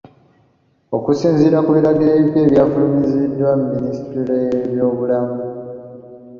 Okusinziira ku biragiro ebipya ebyafulumiziddwa Minisitule y'ebyobulamu.